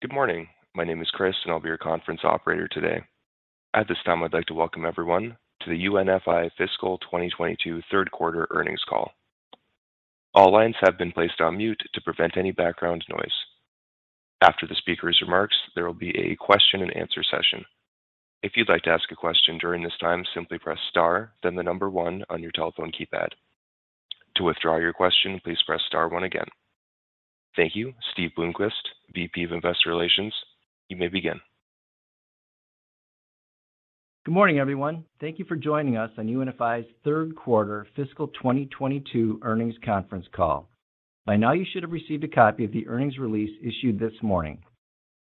Good morning. My name is Chris, and I'll be your conference operator today. At this time, I'd like to welcome everyone to the UNFI Fiscal 2022 Q3 earnings call. All lines have been placed on mute to prevent any background noise. After the speaker's remarks, there will be a question and answer session. If you'd like to ask a question during this time, simply press star then the number one on your telephone keypad. To withdraw your question, please press star one again. Thank you. Steve Bloomquist, VP of Investor Relations, you may begin. Good morning, everyone. Thank you for joining us on UNFI's Q3 fiscal 2022 earnings conference call. By now you should have received a copy of the earnings release issued this morning.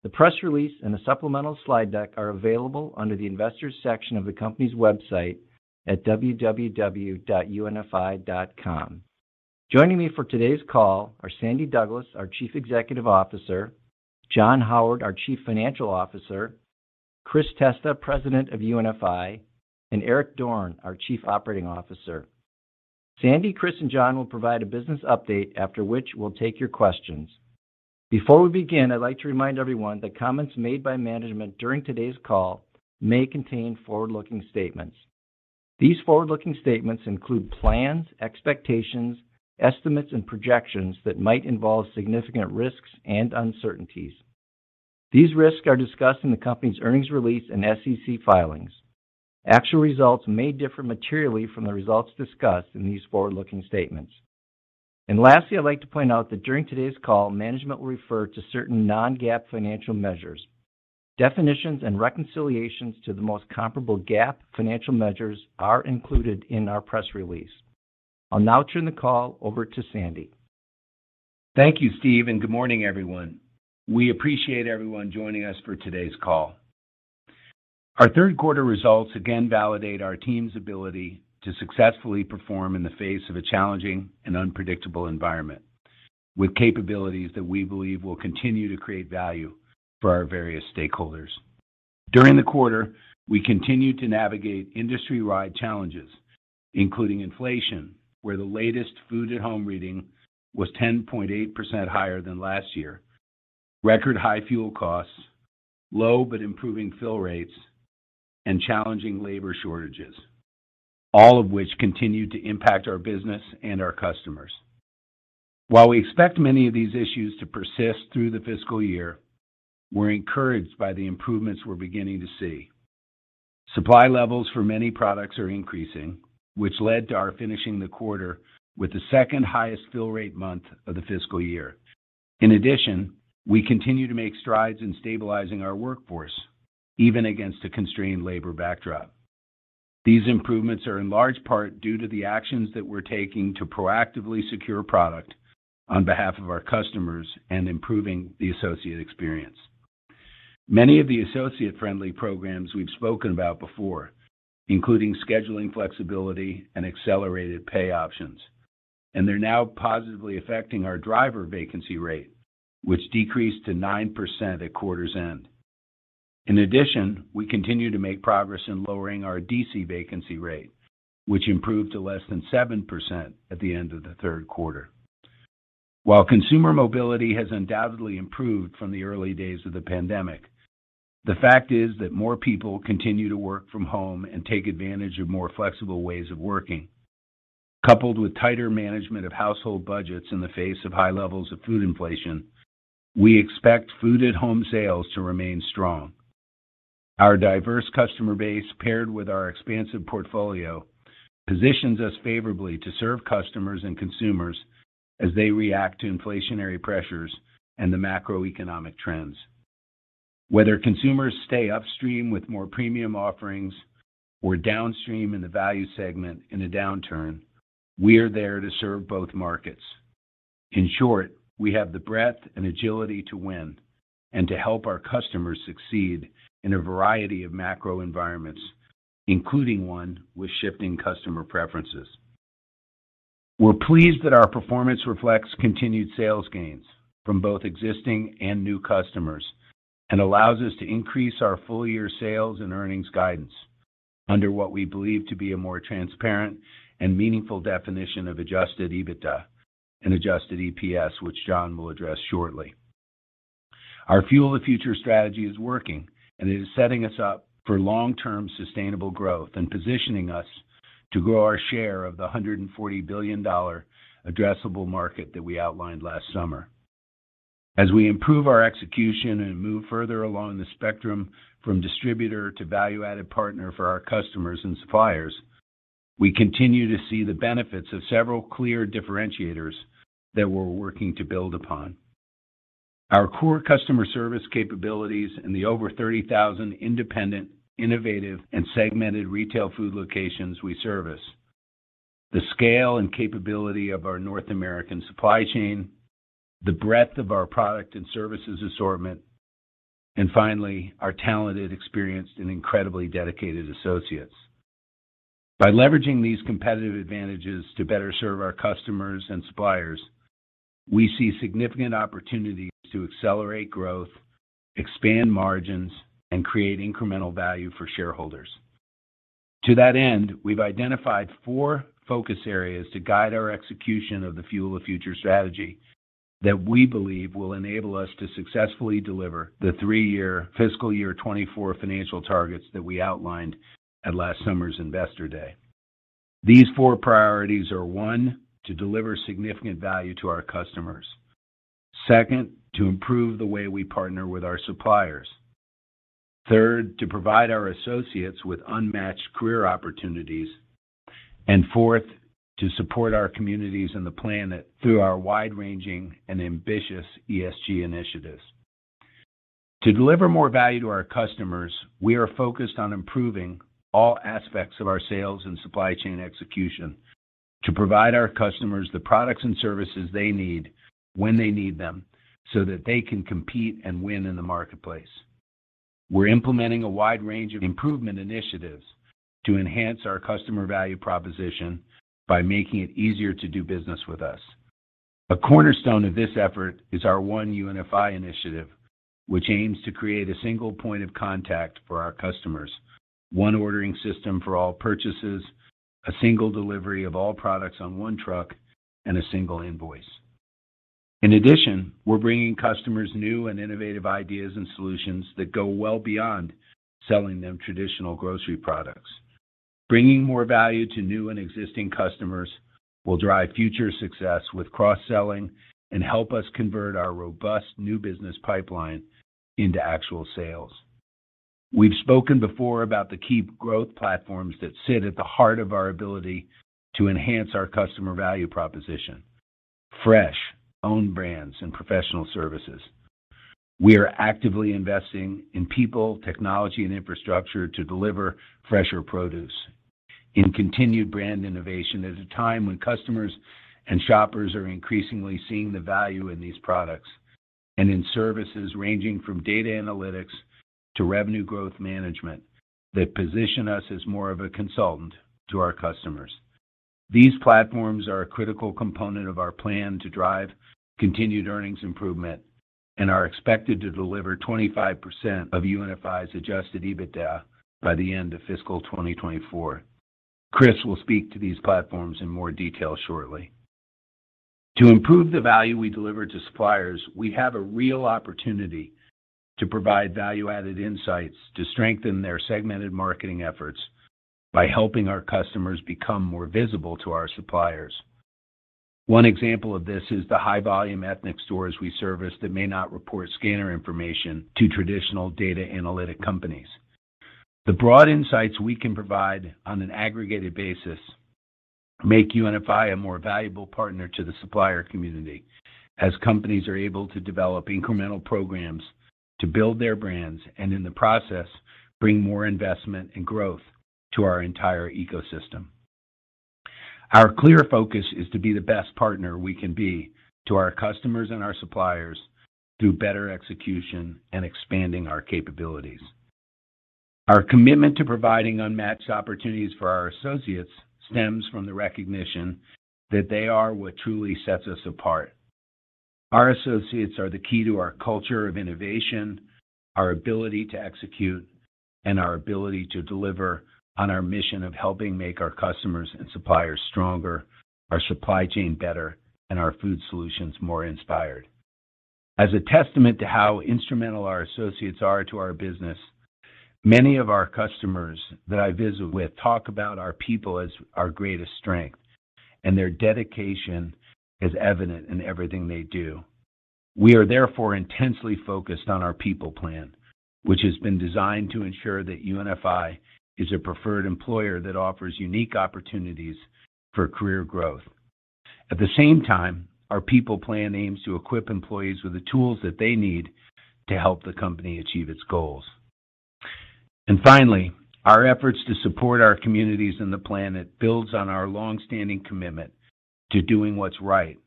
The press release and the supplemental slide deck are available under the Investors section of the company's website at www.unfi.com. Joining me for today's call are Sandy Douglas, our Chief Executive Officer, John Howard, our Chief Financial Officer, Chris Testa, President of UNFI, and Eric Dorne, our Chief Operating Officer. Sandy, Chris, and John will provide a business update, after which we'll take your questions. Before we begin, I'd like to remind everyone that comments made by management during today's call may contain forward-looking statements. These forward-looking statements include plans, expectations, estimates, and projections that might involve significant risks and uncertainties. These risks are discussed in the company's earnings release and SEC filings. Actual results may differ materially from the results discussed in these forward-looking statements. Lastly, I'd like to point out that during today's call, management will refer to certain non-GAAP financial measures. Definitions and reconciliations to the most comparable GAAP financial measures are included in our press release. I'll now turn the call over to Sandy. Thank you, Steve, and good morning, everyone. We appreciate everyone joining us for today's call. Our Q3 results again validate our team's ability to successfully perform in the face of a challenging and unpredictable environment with capabilities that we believe will continue to create value for our various stakeholders. During the quarter, we continued to navigate industry-wide challenges, including inflation, where the latest food at home reading was 10.8% higher than last year, record high fuel costs, low but improving fill rates, and challenging labor shortages, all of which continued to impact our business and our customers. While we expect many of these issues to persist through the fiscal year, we're encouraged by the improvements we're beginning to see. Supply levels for many products are increasing, which led to our finishing the quarter with the second highest fill rate month of the fiscal year. In addition, we continue to make strides in stabilizing our workforce, even against a constrained labor backdrop. These improvements are in large part due to the actions that we're taking to proactively secure product on behalf of our customers and improving the associate experience. Many of the associate-friendly programs we've spoken about before, including scheduling flexibility and accelerated pay options, and they're now positively affecting our driver vacancy rate, which decreased to 9% at quarter's end. In addition, we continue to make progress in lowering our DC vacancy rate, which improved to less than 7% at the end of the Q3. While consumer mobility has undoubtedly improved from the early days of the pandemic, the fact is that more people continue to work from home and take advantage of more flexible ways of working. Coupled with tighter management of household budgets in the face of high levels of food inflation, we expect food at home sales to remain strong. Our diverse customer base, paired with our expansive portfolio, positions us favorably to serve customers and consumers as they react to inflationary pressures and the macroeconomic trends. Whether consumers stay upstream with more premium offerings or downstream in the value segment in a downturn, we are there to serve both markets. In short, we have the breadth and agility to win and to help our customers succeed in a variety of macro environments, including one with shifting customer preferences. We're pleased that our performance reflects continued sales gains from both existing and new customers and allows us to increase our full year sales and earnings guidance under what we believe to be a more transparent and meaningful definition of Adjusted EBITDA and Adjusted EPS, which John will address shortly. Our Fuel the Future strategy is working, and it is setting us up for long-term sustainable growth and positioning us to grow our share of the $140 billion addressable market that we outlined last summer. As we improve our execution and move further along the spectrum from distributor to value-added partner for our customers and suppliers, we continue to see the benefits of several clear differentiators that we're working to build upon. Our core customer service capabilities and the over 30,000 independent, innovative, and segmented retail food locations we service, the scale and capability of our North American supply chain, the breadth of our product and services assortment, and finally, our talented, experienced, and incredibly dedicated associates. By leveraging these competitive advantages to better serve our customers and suppliers, we see significant opportunities to accelerate growth, expand margins, and create incremental value for shareholders. To that end, we've identified four focus areas to guide our execution of the Fuel the Future strategy that we believe will enable us to successfully deliver the three-year fiscal year 2024 financial targets that we outlined at last summer's Investor Day. These four priorities are, one, to deliver significant value to our customers. Second, to improve the way we partner with our suppliers. Third, to provide our associates with unmatched career opportunities. Fourth, to support our communities and the planet through our wide-ranging and ambitious ESG initiatives. To deliver more value to our customers, we are focused on improving all aspects of our sales and supply chain execution to provide our customers the products and services they need when they need them, so that they can compete and win in the marketplace. We're implementing a wide range of improvement initiatives to enhance our customer value proposition by making it easier to do business with us. A cornerstone of this effort is our One UNFI initiative, which aims to create a single point of contact for our customers, one ordering system for all purchases, a single delivery of all products on one truck, and a single invoice. In addition, we're bringing customers new and innovative ideas and solutions that go well beyond selling them traditional grocery products. Bringing more value to new and existing customers will drive future success with cross-selling and help us convert our robust new business pipeline into actual sales. We've spoken before about the key growth platforms that sit at the heart of our ability to enhance our customer value proposition, fresh, own brands, and professional services. We are actively investing in people, technology, and infrastructure to deliver fresher produce and continued brand innovation at a time when customers and shoppers are increasingly seeing the value in these products, and in services ranging from data analytics to revenue growth management that position us as more of a consultant to our customers. These platforms are a critical component of our plan to drive continued earnings improvement and are expected to deliver 25% of UNFI's Adjusted EBITDA by the end of fiscal 2024. Chris will speak to these platforms in more detail shortly. To improve the value we deliver to suppliers, we have a real opportunity to provide value-added insights to strengthen their segmented marketing efforts by helping our customers become more visible to our suppliers. One example of this is the high-volume ethnic stores we service that may not report scanner information to traditional data analytics companies. The broad insights we can provide on an aggregated basis make UNFI a more valuable partner to the supplier community as companies are able to develop incremental programs to build their brands, and in the process, bring more investment and growth to our entire ecosystem. Our clear focus is to be the best partner we can be to our customers and our suppliers through better execution and expanding our capabilities. Our commitment to providing unmatched opportunities for our associates stems from the recognition that they are what truly sets us apart. Our associates are the key to our culture of innovation, our ability to execute, and our ability to deliver on our mission of helping make our customers and suppliers stronger, our supply chain better, and our food solutions more inspired. As a testament to how instrumental our associates are to our business, many of our customers that I visit with talk about our people as our greatest strength, and their dedication is evident in everything they do. We are therefore intensely focused on our people plan, which has been designed to ensure that UNFI is a preferred employer that offers unique opportunities for career growth. At the same time, our people plan aims to equip employees with the tools that they need to help the company achieve its goals. Finally, our efforts to support our communities and the planet builds on our long-standing commitment to doing what's right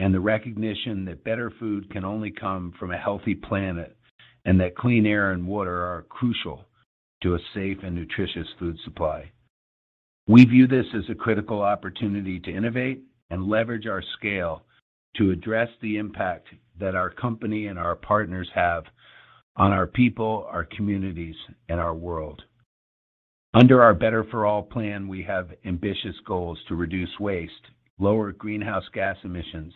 and the recognition that better food can only come from a healthy planet, and that clean air and water are crucial to a safe and nutritious food supply. We view this as a critical opportunity to innovate and leverage our scale to address the impact that our company and our partners have on our people, our communities, and our world. Under our Better for All plan, we have ambitious goals to reduce waste, lower greenhouse gas emissions,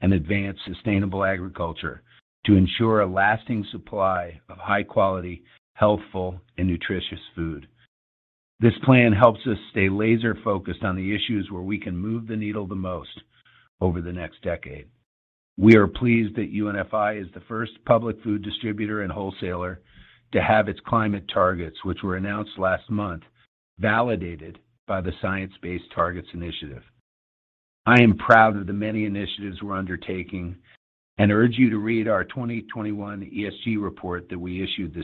and advance sustainable agriculture to ensure a lasting supply of high quality, healthful, and nutritious food. This plan helps us stay laser-focused on the issues where we can move the needle the most over the next decade. We are pleased that UNFI is the first public food distributor and wholesaler to have its climate targets, which were announced last month, validated by the Science Based Targets initiative. I am proud of the many initiatives we're undertaking and urge you to read our 2021 ESG report that we issued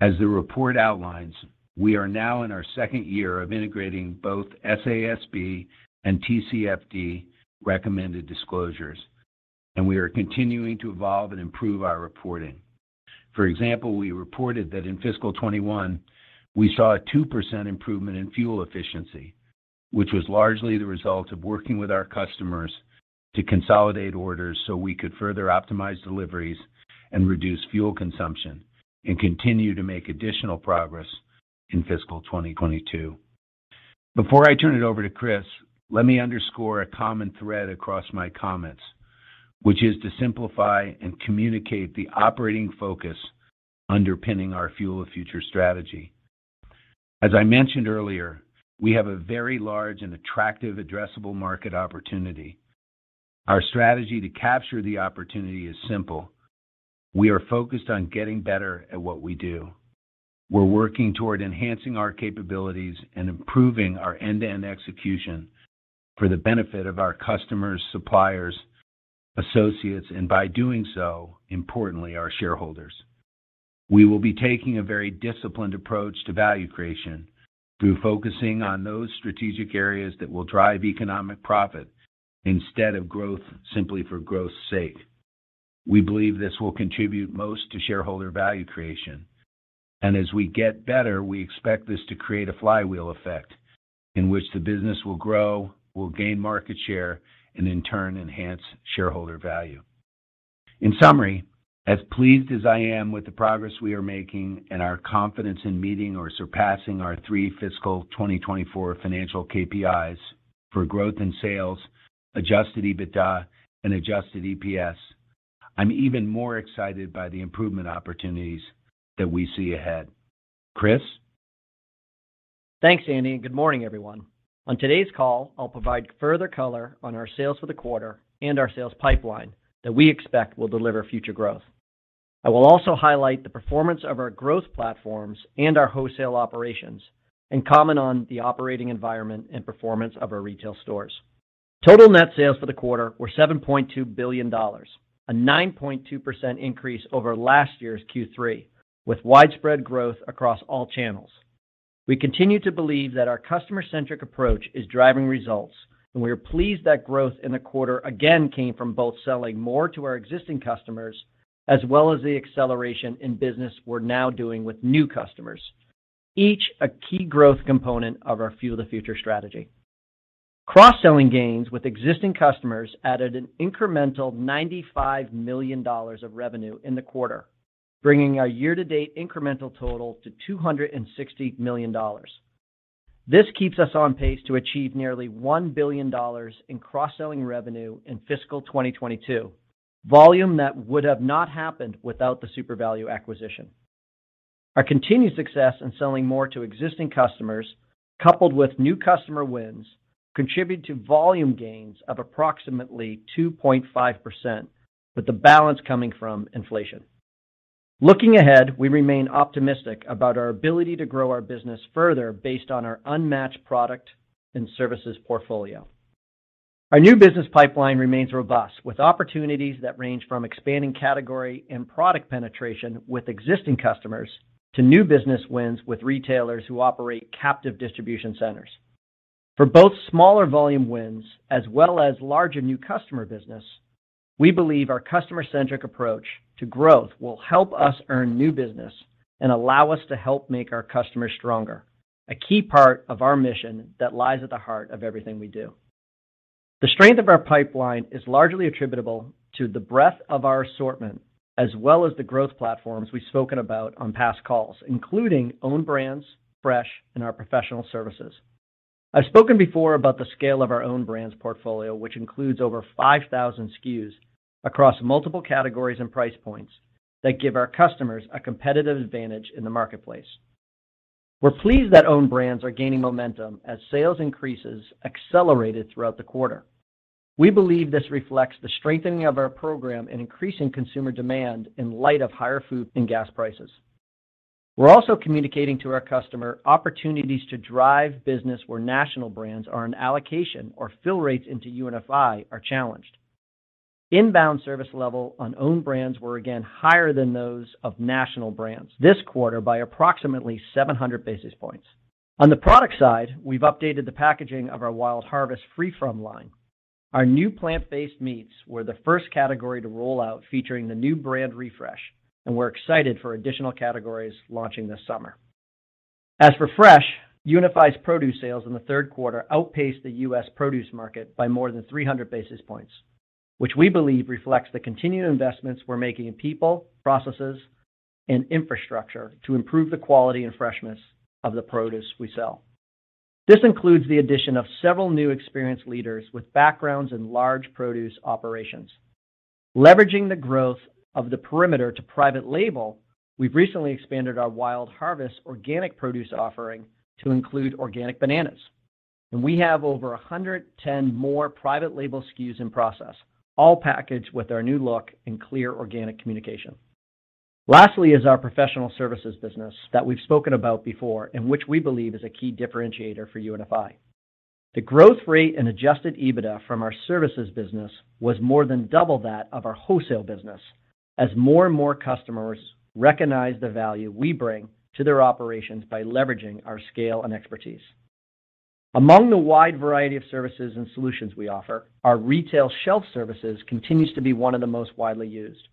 this spring. As the report outlines, we are now in our second year of integrating both SASB and TCFD recommended disclosures, and we are continuing to evolve and improve our reporting. For example, we reported that in fiscal 2021, we saw a 2% improvement in fuel efficiency, which was largely the result of working with our customers to consolidate orders so we could further optimize deliveries and reduce fuel consumption and continue to make additional progress in fiscal 2022. Before I turn it over to Chris, let me underscore a common thread across my comments, which is to simplify and communicate the operating focus underpinning our Fuel the Future strategy. As I mentioned earlier, we have a very large and attractive addressable market opportunity. Our strategy to capture the opportunity is simple. We are focused on getting better at what we do. We're working toward enhancing our capabilities and improving our end-to-end execution for the benefit of our customers, suppliers, associates, and by doing so, importantly, our shareholders. We will be taking a very disciplined approach to value creation through focusing on those strategic areas that will drive economic profit instead of growth simply for growth's sake. We believe this will contribute most to shareholder value creation. As we get better, we expect this to create a flywheel effect in which the business will grow, we'll gain market share, and in turn, enhance shareholder value. In summary, as pleased as I am with the progress we are making and our confidence in meeting or surpassing our three fiscal 2024 financial KPIs for growth in sales, Adjusted EBITDA, and Adjusted EPS, I'm even more excited by the improvement opportunities that we see ahead. Chris? Thanks, Andy, and good morning, everyone. On today's call, I'll provide further color on our sales for the quarter and our sales pipeline that we expect will deliver future growth. I will also highlight the performance of our growth platforms and our wholesale operations and comment on the operating environment and performance of our retail stores. Total net sales for the quarter were $7.2 billion, a 9.2% increase over last year's Q3, with widespread growth across all channels. We continue to believe that our customer-centric approach is driving results, and we are pleased that growth in the quarter again came from both selling more to our existing customers as well as the acceleration in business we're now doing with new customers, each a key growth component of our Fuel the Future strategy. Cross-selling gains with existing customers added an incremental $95 million of revenue in the quarter, bringing our year-to-date incremental total to $260 million. This keeps us on pace to achieve nearly $1 billion in cross-selling revenue in fiscal 2022, volume that would have not happened without the Supervalu acquisition. Our continued success in selling more to existing customers, coupled with new customer wins, contribute to volume gains of approximately 2.5%, with the balance coming from inflation. Looking ahead, we remain optimistic about our ability to grow our business further based on our unmatched product and services portfolio. Our new business pipeline remains robust, with opportunities that range from expanding category and product penetration with existing customers to new business wins with retailers who operate captive distribution centers. For both smaller volume wins as well as larger new customer business, we believe our customer-centric approach to growth will help us earn new business and allow us to help make our customers stronger, a key part of our mission that lies at the heart of everything we do. The strength of our pipeline is largely attributable to the breadth of our assortment as well as the growth platforms we've spoken about on past calls, including own brands, fresh, and our professional services. I've spoken before about the scale of our own brands portfolio, which includes over 5,000 SKUs across multiple categories and price points that give our customers a competitive advantage in the marketplace. We're pleased that own brands are gaining momentum as sales increases accelerated throughout the quarter. We believe this reflects the strengthening of our program and increasing consumer demand in light of higher food and gas prices. We're also communicating to our customer opportunities to drive business where national brands are on allocation or fill rates into UNFI are challenged. Inbound service level on own brands were again higher than those of national brands this quarter by approximately 700 basis points. On the product side, we've updated the packaging of our Wild Harvest Free From line. Our new plant-based meats were the first category to roll out featuring the new brand refresh, and we're excited for additional categories launching this summer. As for fresh, UNFI's produce sales in the Q3 outpaced the U.S. produce market by more than 300 basis points, which we believe reflects the continued investments we're making in people, processes, and infrastructure to improve the quality and freshness of the produce we sell. This includes the addition of several new experienced leaders with backgrounds in large produce operations. Leveraging the growth of the perimeter to private label, we've recently expanded our Wild Harvest organic produce offering to include organic bananas. We have over 110 more private label SKUs in process, all packaged with our new look and clear organic communication. Lastly is our professional services business that we've spoken about before and which we believe is a key differentiator for UNFI. The growth rate in Adjusted EBITDA from our services business was more than double that of our wholesale business as more and more customers recognize the value we bring to their operations by leveraging our scale and expertise. Among the wide variety of services and solutions we offer, our retail shelf services continues to be one of the most widely used.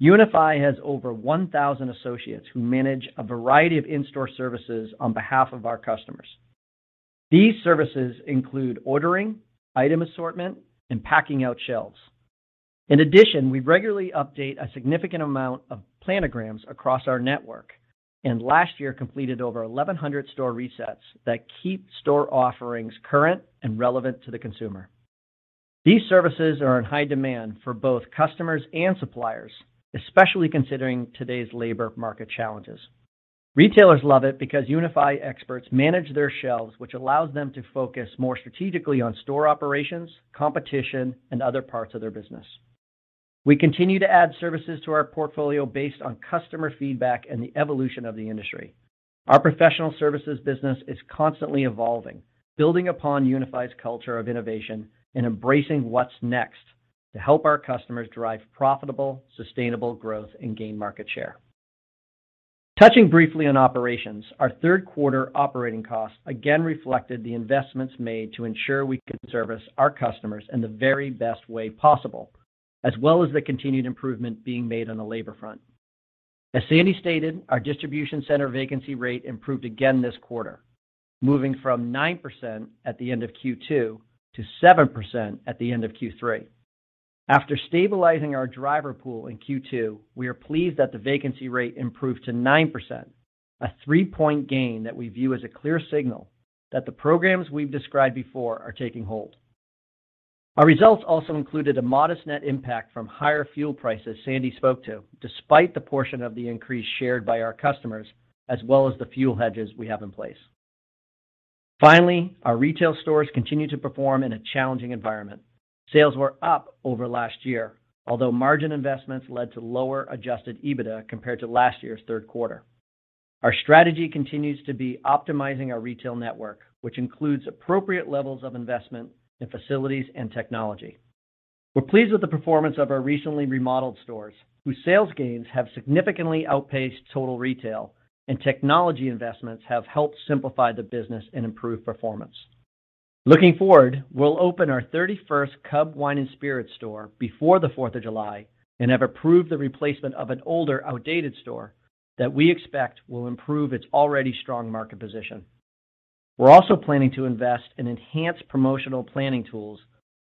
UNFI has over 1,000 associates who manage a variety of in-store services on behalf of our customers. These services include ordering, item assortment, and packing out shelves. In addition, we regularly update a significant amount of planograms across our network, and last year completed over 1,100 store resets that keep store offerings current and relevant to the consumer. These services are in high demand for both customers and suppliers, especially considering today's labor market challenges. Retailers love it because UNFI experts manage their shelves, which allows them to focus more strategically on store operations, competition, and other parts of their business. We continue to add services to our portfolio based on customer feedback and the evolution of the industry. Our professional services business is constantly evolving, building upon UNFI's culture of innovation and embracing what's next to help our customers drive profitable, sustainable growth and gain market share. Touching briefly on operations, our Q3 operating costs again reflected the investments made to ensure we can service our customers in the very best way possible, as well as the continued improvement being made on the labor front. As Sandy stated, our distribution center vacancy rate improved again this quarter, moving from 9% at the end of Q2 to 7% at the end of Q3. After stabilizing our driver pool in Q2, we are pleased that the vacancy rate improved to 9%, a three-point gain that we view as a clear signal that the programs we've described before are taking hold. Our results also included a modest net impact from higher fuel prices Sandy spoke to, despite the portion of the increase shared by our customers, as well as the fuel hedges we have in place. Finally, our retail stores continue to perform in a challenging environment. Sales were up over last year, although margin investments led to lower Adjusted EBITDA compared to last year's Q3. Our strategy continues to be optimizing our retail network, which includes appropriate levels of investment in facilities and technology. We're pleased with the performance of our recently remodeled stores, whose sales gains have significantly outpaced total retail, and technology investments have helped simplify the business and improve performance. Looking forward, we'll open our 31st Cub wine and spirits store before the Fourth of July and have approved the replacement of an older, outdated store that we expect will improve its already strong market position. We're also planning to invest in enhanced promotional planning tools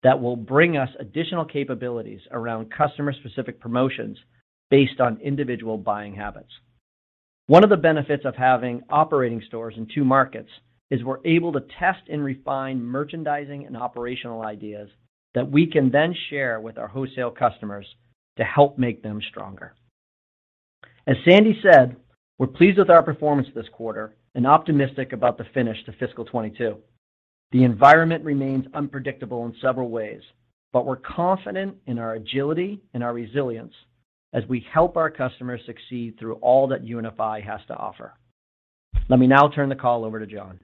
that will bring us additional capabilities around customer-specific promotions based on individual buying habits. One of the benefits of having operating stores in two markets is we're able to test and refine merchandising and operational ideas that we can then share with our wholesale customers to help make them stronger. As Sandy said, we're pleased with our performance this quarter and optimistic about the finish to fiscal 2022. The environment remains unpredictable in several ways, but we're confident in our agility and our resilience as we help our customers succeed through all that UNFI has to offer. Let me now turn the call over to John.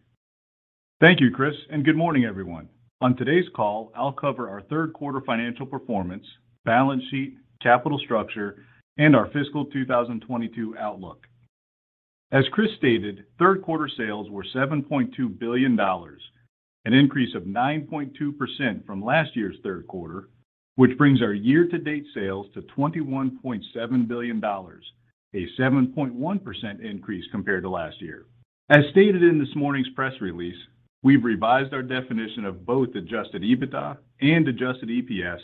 Thank you, Chris, and good morning, everyone. On today's call, I'll cover our Q3 financial performance, balance sheet, capital structure, and our fiscal 2022 outlook. As Chris stated, Q3 sales were $7.2 billion, an increase of 9.2% from last year's Q3, which brings our year-to-date sales to $21.7 billion, a 7.1% increase compared to last year. As stated in this morning's press release, we've revised our definition of both adjusted EBITDA and adjusted EPS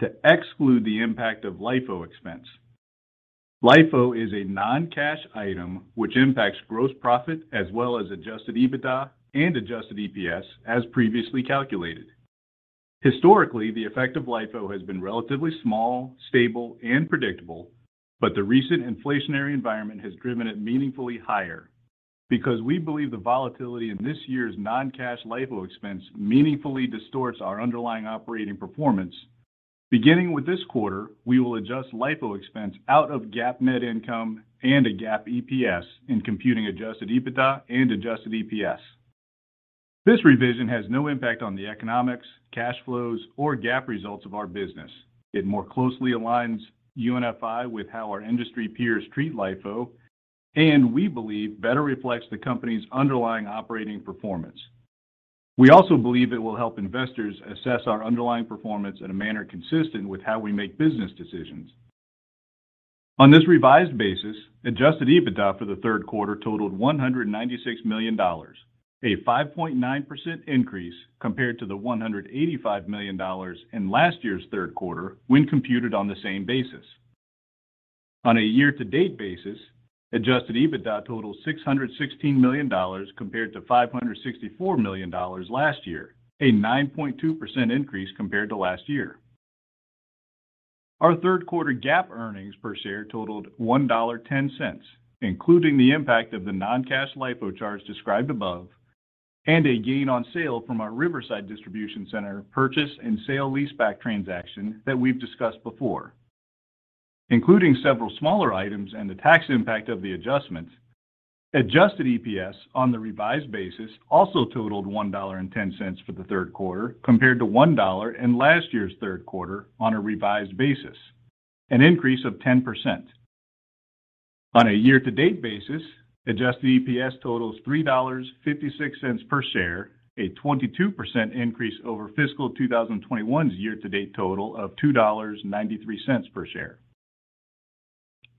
to exclude the impact of LIFO expense. LIFO is a non-cash item which impacts gross profit as well as adjusted EBITDA and adjusted EPS as previously calculated. Historically, the effect of LIFO has been relatively small, stable, and predictable, but the recent inflationary environment has driven it meaningfully higher. Because we believe the volatility in this year's non-cash LIFO expense meaningfully distorts our underlying operating performance, beginning with this quarter, we will adjust LIFO expense out of GAAP net income and a GAAP EPS in computing adjusted EBITDA and adjusted EPS. This revision has no impact on the economics, cash flows, or GAAP results of our business. It more closely aligns UNFI with how our industry peers treat LIFO, and we believe better reflects the company's underlying operating performance. We also believe it will help investors assess our underlying performance in a manner consistent with how we make business decisions. On this revised basis, adjusted EBITDA for the Q3 totaled $196 million, a 5.9% increase compared to the $185 million in last year's Q3 when computed on the same basis. On a year-to-date basis, Adjusted EBITDA totals $616 million compared to $564 million last year, a 9.2% increase compared to last year. Our Q3 GAAP earnings per share totaled $1.10, including the impact of the non-cash LIFO charge described above and a gain on sale from our Riverside Distribution Center purchase and sale leaseback transaction that we've discussed before. Including several smaller items and the tax impact of the adjustments, adjusted EPS on the revised basis also totaled $1.10 for the Q3 compared to $1 last year's Q3 on a revised basis, an increase of 10%. On a year-to-date basis, adjusted EPS totals $3.56 per share, a 22% increase over fiscal 2021's year-to-date total of $2.93 per share.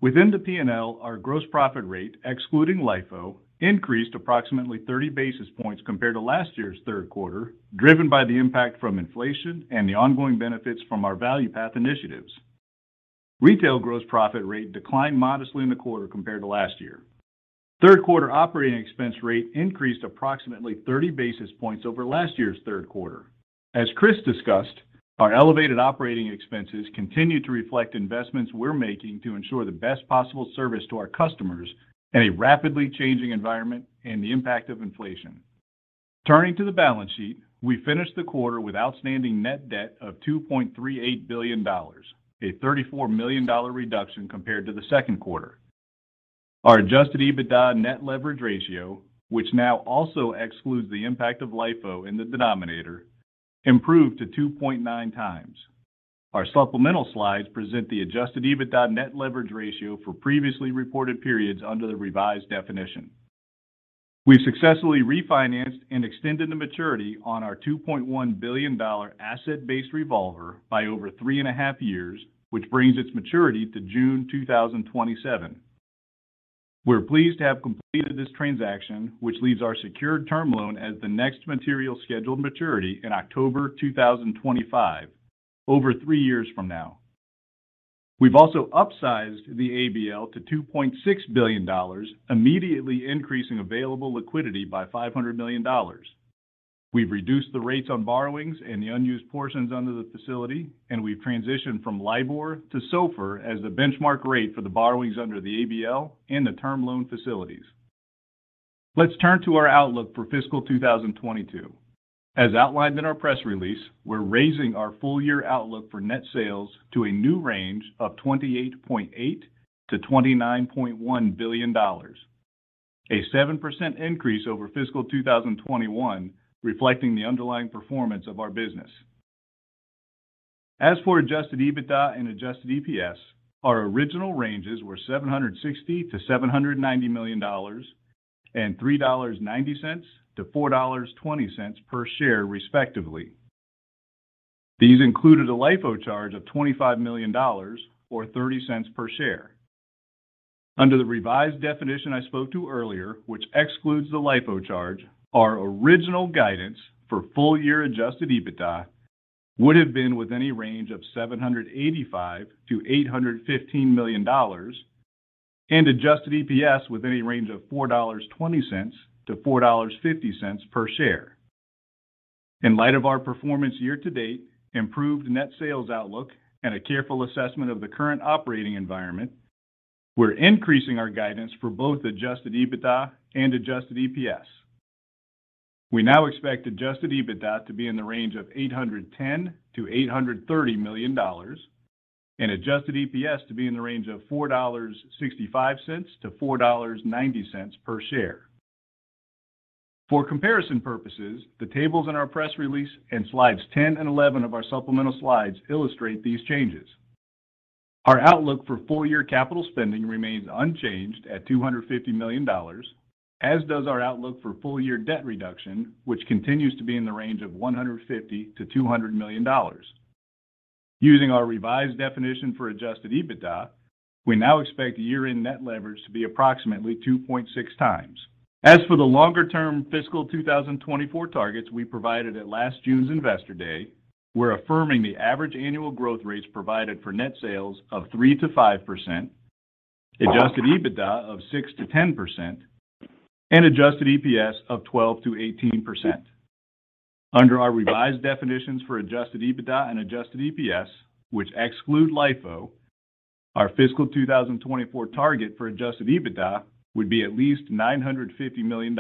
Within the P&L, our gross profit rate, excluding LIFO, increased approximately 30 basis points compared to last year's Q3, driven by the impact from inflation and the ongoing benefits from our ValuePath initiatives. Retail gross profit rate declined modestly in the quarter compared to last year. Q3 operating expense rate increased approximately 30 basis points over last year's Q3. As Chris discussed, our elevated operating expenses continue to reflect investments we're making to ensure the best possible service to our customers in a rapidly changing environment and the impact of inflation. Turning to the balance sheet, we finished the quarter with outstanding net debt of $2.38 billion, a $34 million reduction compared to the Q2. Our Adjusted EBITDA net leverage ratio, which now also excludes the impact of LIFO in the denominator, improved to 2.9 times. Our supplemental slides present the Adjusted EBITDA net leverage ratio for previously reported periods under the revised definition. We successfully refinanced and extended the maturity on our $2.1 billion asset-based revolver by over three and a half years, which brings its maturity to June 2027. We're pleased to have completed this transaction, which leaves our secured term loan as the next material scheduled maturity in October 2025, over three years from now. We've also upsized the ABL to $2.6 billion, immediately increasing available liquidity by $500 million. We've reduced the rates on borrowings and the unused portions under the facility, and we've transitioned from LIBOR to SOFR as the benchmark rate for the borrowings under the ABL and the term loan facilities. Let's turn to our outlook for fiscal 2022. As outlined in our press release, we're raising our full year outlook for net sales to a new range of $28.8 billion-$29.1 billion, a 7% increase over fiscal 2021, reflecting the underlying performance of our business. As for Adjusted EBITDA and Adjusted EPS, our original ranges were $760 million-$790 million and $3.90-$4.20 per share, respectively. These included a LIFO charge of $25 million or $0.30 per share. Under the revised definition I spoke to earlier, which excludes the LIFO charge, our original guidance for full year Adjusted EBITDA would have been within a range of $785 million-$815 million and Adjusted EPS within a range of $4.20-$4.50 per share. In light of our performance year to date, improved net sales outlook, and a careful assessment of the current operating environment, we're increasing our guidance for both Adjusted EBITDA and Adjusted EPS. We now expect Adjusted EBITDA to be in the range of $810 million-$830 million and Adjusted EPS to be in the range of $4.65-$4.90 per share. For comparison purposes, the tables in our press release and slides 10 and 11 of our supplemental slides illustrate these changes. Our outlook for full year capital spending remains unchanged at $250 million, as does our outlook for full year debt reduction, which continues to be in the range of $150 million-$200 million. Using our revised definition for Adjusted EBITDA, we now expect year-end net leverage to be approximately 2.6 times. As for the longer-term fiscal 2024 targets we provided at last June's Investor Day, we're affirming the average annual growth rates provided for net sales of 3%-5%, Adjusted EBITDA of 6%-10%, and Adjusted EPS of 12%-18%. Under our revised definitions for Adjusted EBITDA and Adjusted EPS, which exclude LIFO, our fiscal 2024 target for Adjusted EBITDA would be at least $950 million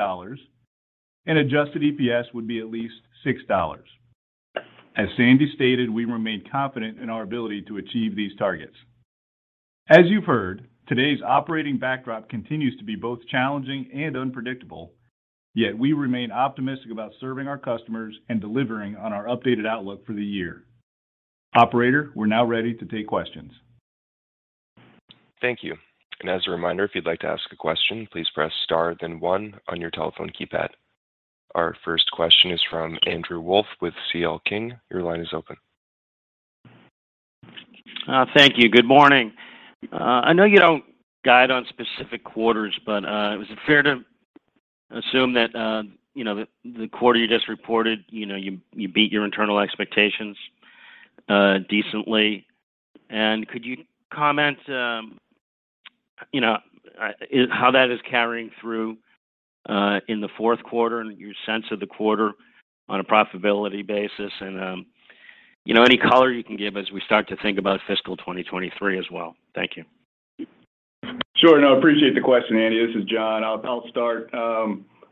and Adjusted EPS would be at least $6. As Sandy stated, we remain confident in our ability to achieve these targets. As you've heard, today's operating backdrop continues to be both challenging and unpredictable, yet we remain optimistic about serving our customers and delivering on our updated outlook for the year. Operator, we're now ready to take questions. Thank you. As a reminder, if you'd like to ask a question, please press star then one on your telephone keypad. Our first question is from Andrew Wolf with C.L. King. Your line is open. Thank you. Good morning. I know you don't guide on specific quarters, but, is it fair to assume that, you know, the quarter you just reported, you know, you beat your internal expectations, decently? Could you comment, you know, how that is carrying through, in the Q4 and your sense of the quarter on a profitability basis and, you know, any color you can give as we start to think about fiscal 2023 as well? Thank you. Sure. I appreciate the question, Sandy. This is John. I'll start. I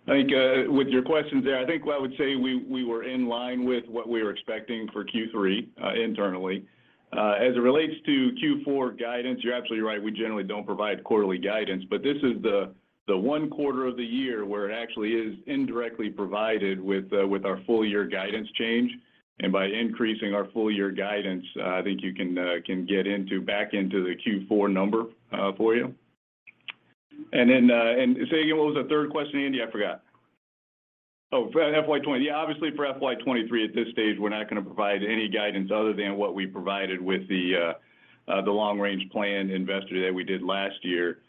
think with your questions there, I think what I would say, we were in line with what we were expecting for Q3 internally. As it relates to Q4 guidance, you're absolutely right, we generally don't provide quarterly guidance. This is the one quarter of the year where it actually is indirectly provided with our full year guidance change. By increasing our full year guidance, I think you can get back into the Q4 number for you. Say again, what was the third question, Andy? I forgot. Oh, for FY 2023, at this stage, we're not gonna provide any guidance other than what we provided with the long-range plan Investor Day we did last year,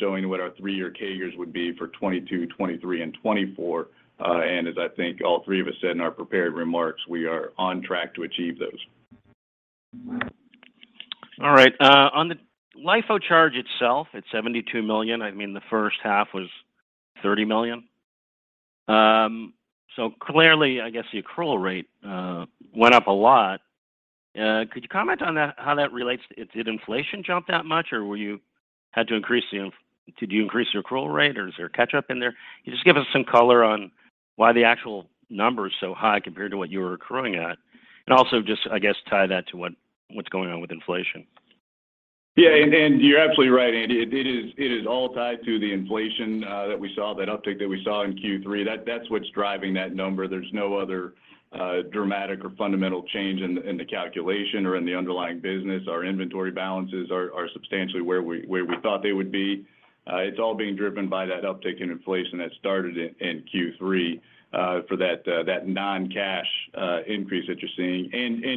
showing what our three-year CAGRs would be for 2022, 2023, and 2024. As I think all three of us said in our prepared remarks, we are on track to achieve those. All right. On the LIFO charge itself, it's $72 million. I mean, the first half was $30 million. So clearly, I guess, the accrual rate went up a lot. Could you comment on that, how that relates to. Did inflation jump that much, or did you increase the accrual rate, or is there a catch-up in there? Can you just give us some color on why the actual number is so high compared to what you were accruing at? Also just, I guess, tie that to what's going on with inflation. Yeah. You're absolutely right, Sandy. It is all tied to the inflation that we saw, that uptick that we saw in Q3. That's what's driving that number. There's no other dramatic or fundamental change in the calculation or in the underlying business. Our inventory balances are substantially where we thought they would be. It's all being driven by that uptick in inflation that started in Q3 for that non-cash increase that you're seeing.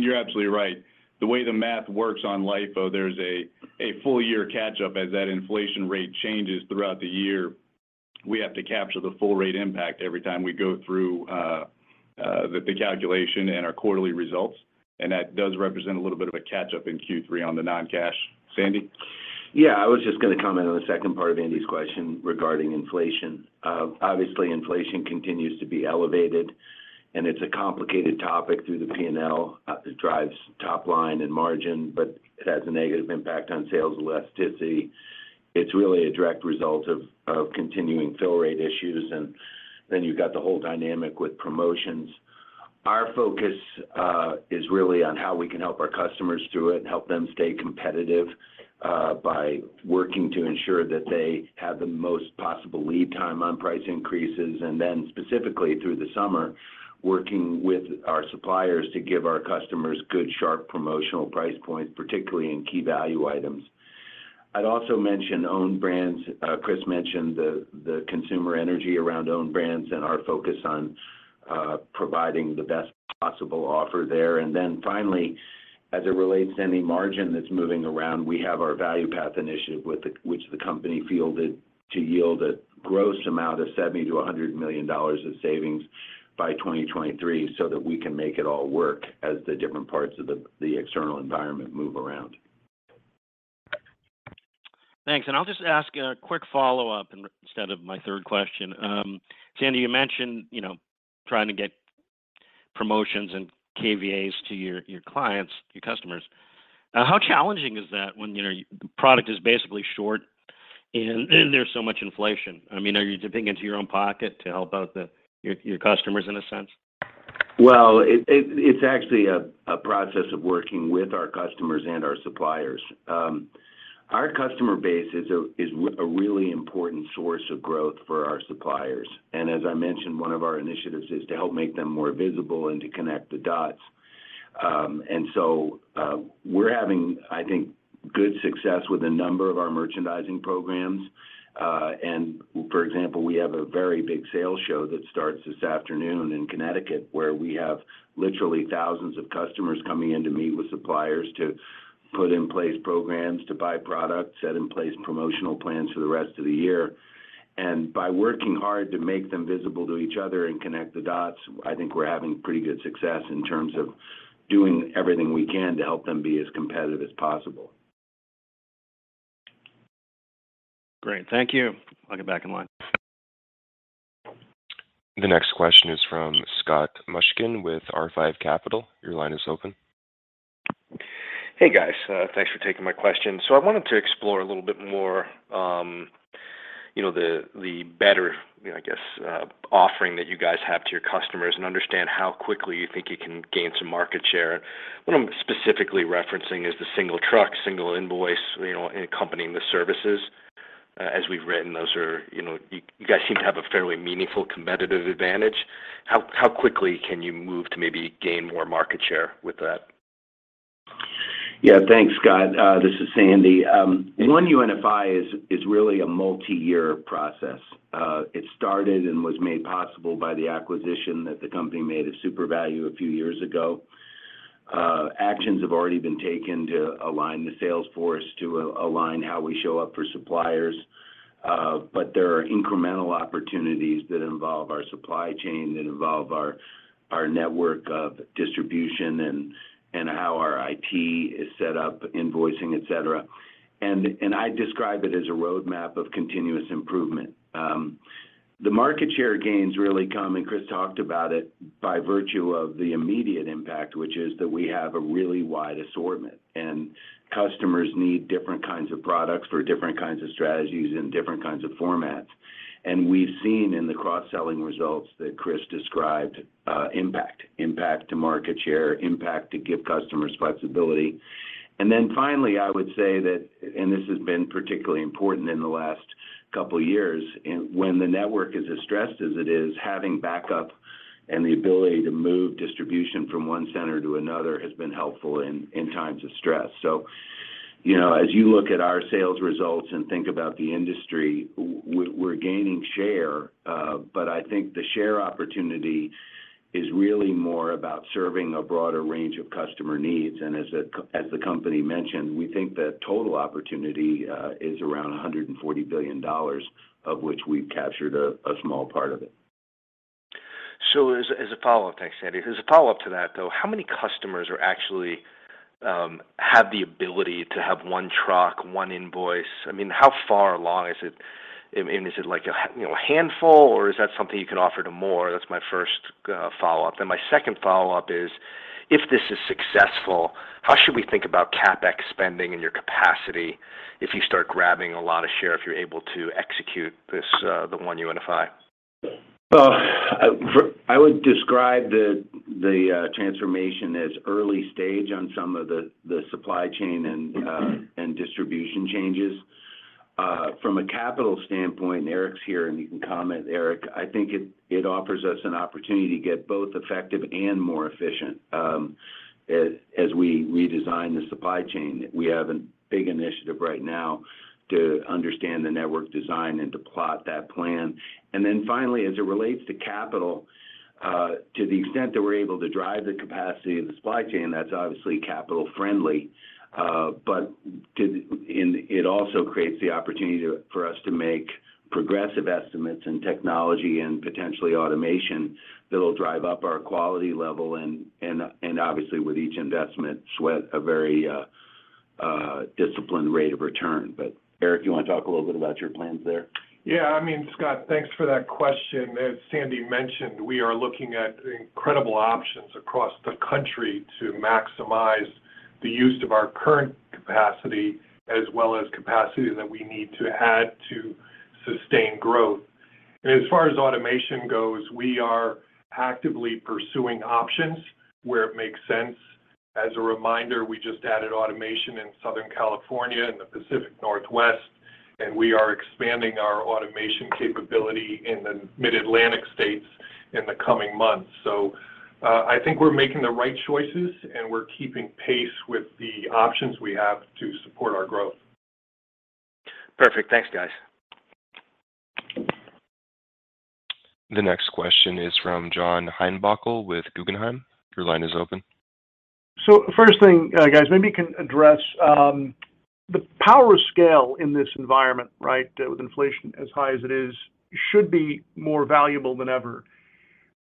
You're absolutely right. The way the math works on LIFO, there's a full year catch-up as that inflation rate changes throughout the year. We have to capture the full rate impact every time we go through the calculation in our quarterly results, and that does represent a little bit of a catch-up in Q3 on the non-cash. Sandy? Yeah. I was just gonna comment on the second part of Sandy's question regarding inflation. Obviously, inflation continues to be elevated, and it's a complicated topic through the P&L. It drives top line and margin, but it has a negative impact on sales elasticity. It's really a direct result of continuing fill rate issues. You've got the whole dynamic with promotions. Our focus is really on how we can help our customers through it and help them stay competitive by working to ensure that they have the most possible lead time on price increases, and then specifically through the summer, working with our suppliers to give our customers good, sharp promotional price points, particularly in key value items. I'd also mention owned brands. Chris mentioned the consumer energy around owned brands and our focus on providing the best possible offer there. Finally, as it relates to any margin that's moving around, we have our ValuePath initiative with the which the company fielded to yield a gross amount of $70 million-$100 million of savings by 2023 so that we can make it all work as the different parts of the external environment move around. Thanks. I'll just ask a quick follow-up instead of my third question. Sandy, you mentioned, you know, trying to get promotions and KVIs to your clients, your customers. How challenging is that when, you know, the product is basically short and there's so much inflation? I mean, are you dipping into your own pocket to help out your customers in a sense? Well, it's actually a process of working with our customers and our suppliers. Our customer base is a really important source of growth for our suppliers. As I mentioned, one of our initiatives is to help make them more visible and to connect the dots. We're having, I think, good success with a number of our merchandising programs. For example, we have a very big sales show that starts this afternoon in Connecticut, where we have literally thousands of customers coming in to meet with suppliers to put in place programs to buy products, set in place promotional plans for the rest of the year. By working hard to make them visible to each other and connect the dots, I think we're having pretty good success in terms of doing everything we can to help them be as competitive as possible. Great. Thank you. I'll get back in line. The next question is from Scott Mushkin with R5 Capital. Your line is open. Hey, guys. Thanks for taking my question. I wanted to explore a little bit more, you know, the better, you know, I guess, offering that you guys have to your customers and understand how quickly you think you can gain some market share. What I'm specifically referencing is the single truck, single invoice, you know, accompanying the services. As we've read, those are, you know, you guys seem to have a fairly meaningful competitive advantage. How quickly can you move to maybe gain more market share with that? Yeah. Thanks, Scott. This is Sandy. One UNFI is really a multi-year process. It started and was made possible by the acquisition that the company made at Supervalu a few years ago. Actions have already been taken to align the sales force, to align how we show up for suppliers. There are incremental opportunities that involve our supply chain, that involve our network of distribution and how our IT is set up, invoicing, et cetera. I describe it as a roadmap of continuous improvement. The market share gains really come, and Chris talked about it, by virtue of the immediate impact, which is that we have a really wide assortment, and customers need different kinds of products for different kinds of strategies and different kinds of formats. We've seen in the cross-selling results that Chris described, impact to market share, impact to give customers flexibility. Finally, I would say that, and this has been particularly important in the last couple years, and when the network is as stressed as it is, having backup and the ability to move distribution from one center to another has been helpful in times of stress. You know, as you look at our sales results and think about the industry, we're gaining share, but I think the share opportunity is really more about serving a broader range of customer needs. As the company mentioned, we think the total opportunity is around $140 billion, of which we've captured a small part of it. As a follow-up. Thanks, Sandy. As a follow-up to that, though, how many customers are actually have the ability to have one truck, one invoice? I mean, how far along is it? I mean, and is it like, you know, a handful, or is that something you can offer to more? That's my first follow-up. My second follow-up is, if this is successful, how should we think about CapEx spending and your capacity if you start grabbing a lot of share, if you're able to execute this, the One UNFI? Well, I would describe the transformation as early stage on some of the supply chain and distribution changes. From a capital standpoint, and Eric's here, and you can comment, Eric, I think it offers us an opportunity to get both effective and more efficient, as we redesign the supply chain. We have a big initiative right now to understand the network design and to plot that plan. Then finally, as it relates to capital, to the extent that we're able to drive the capacity of the supply chain, that's obviously capital friendly. But it also creates the opportunity for us to make investments in technology and potentially automation that'll drive up our quality level and obviously with each investment, see a very disciplined rate of return. Eric, you want to talk a little bit about your plans there? Yeah, I mean, Scott, thanks for that question. As Sandy mentioned, we are looking at incredible options across the country to maximize the use of our current capacity as well as capacity that we need to add to sustain growth. As far as automation goes, we are actively pursuing options where it makes sense. As a reminder, we just added automation in Southern California and the Pacific Northwest, and we are expanding our automation capability in the Mid-Atlantic states in the coming months. I think we're making the right choices, and we're keeping pace with the options we have to support our growth. Perfect. Thanks, guys. The next question is from John Heinbockel with Guggenheim. Your line is open. First thing, guys, maybe you can address the power of scale in this environment, right? With inflation as high as it is, should be more valuable than ever.